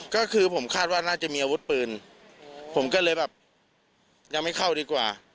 ก็คือผมคาดว่าน่าจะมีอาวุธปืนผมก็เลยแบบยังไม่เข้าดีกว่า